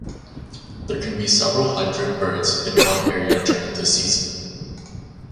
There can be several hundred birds in one area during this season.